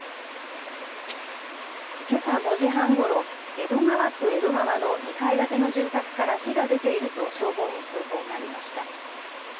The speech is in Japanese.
けさ５時半ごろ、江戸川区江戸川の２階建ての住宅から火が出ていると消防に通報がありました。